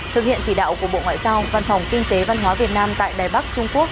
thực hiện chỉ đạo của bộ ngoại giao văn phòng kinh tế văn hóa việt nam tại đài bắc trung quốc